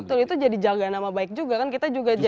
betul itu jadi jaga nama baik juga kan kita juga jaga